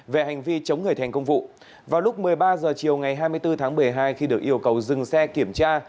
về hành vi chống người thành công vụ vào lúc một mươi ba h chiều ngày hai mươi bốn tháng một mươi hai khi được yêu cầu dừng xe kiểm tra